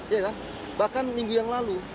ya kan bahkan minggu yang lalu